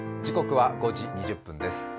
時刻は５時２０分です。